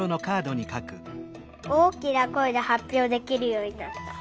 「大きな声ではっぴょうできるようになった」。